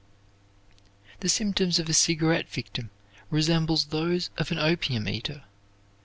The symptoms of a cigarette victim resembles those of an opium eater.